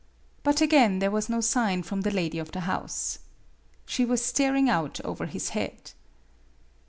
But again there was no sign from the lady of the house. She was staring out over his head.